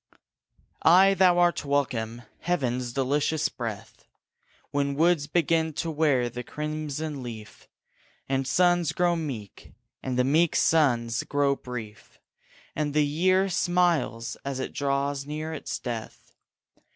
Ay, thou art welcome, heaven's delicious breath, When woods begin to wear the crimson leaf, And suns grow meek, and the meek suns grow brief, And the year smiles as it draws near its death.